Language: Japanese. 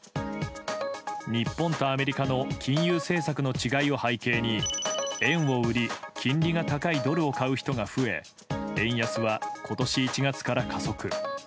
日本とアメリカの金融政策の違いを背景に円を売り金利が高いドルを買う人が増え円安は今年１月から加速。